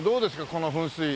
この噴水。